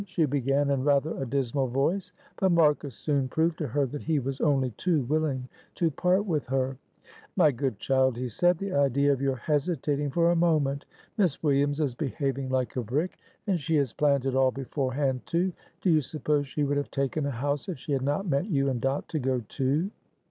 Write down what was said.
she began in rather a dismal voice. But Marcus soon proved to her that he was only too willing to part with her. "My good child," he said, "the idea of your hesitating for a moment. Miss Williams is behaving like a brick, and she had planned it all beforehand, too. Do you suppose she would have taken a house, if she had not meant you and Dot to go too?"